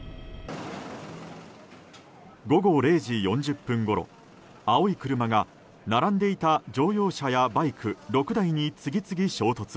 午後０時４０分ごろ、青い車が並んでいた乗用車やバイク、６台に次々衝突。